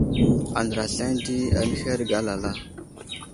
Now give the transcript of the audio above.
Andra aslane di anuherge alala.